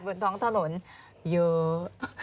บนท้องถนนเยอะ